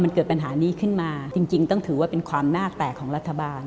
มันเกิดปัญหานี้ขึ้นมาจริงต้องถือว่าเป็นความน่าแตกของรัฐบาล